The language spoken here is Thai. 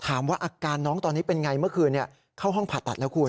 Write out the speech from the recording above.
อาการน้องตอนนี้เป็นไงเมื่อคืนเข้าห้องผ่าตัดแล้วคุณ